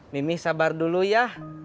mimih sabar dulu ya